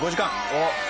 おっ。